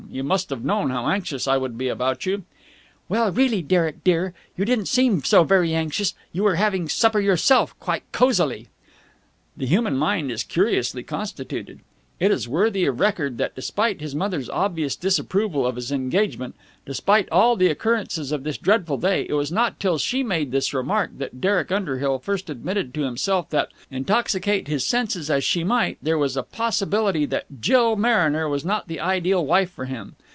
You must have known how anxious I would be about you." "Well, really, Derek, dear! You didn't seem so very anxious! You were having supper yourself quite cosily." The human mind is curiously constituted. It is worthy of record that, despite his mother's obvious disapproval of his engagement, despite all the occurrences of this dreadful day, it was not till she made this remark that Derek Underhill first admitted to himself that, intoxicate his senses as she might, there was a possibility that Jill Mariner was not the ideal wife for him.